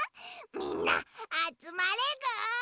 みんなあつまれぐ！